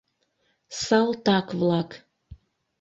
Салтак-влак.